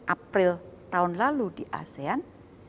april tahun lalu di asean